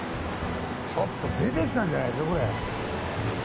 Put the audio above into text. ちょっと出てきたんじゃないですかこれ。